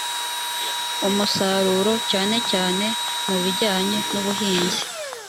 umusaruro cyane cyane mu bijyanye n ubuhinzi